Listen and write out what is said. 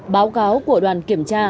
báo cáo của đoàn kiểm tra